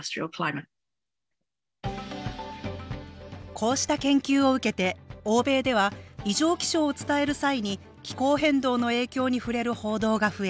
こうした研究を受けて欧米では異常気象を伝える際に気候変動の影響に触れる報道が増え